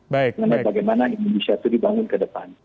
mengenai bagaimana indonesia itu dibangun ke depan